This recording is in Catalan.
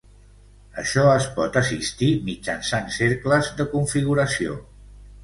Això es pot assistir mitjançant cercles de configuració.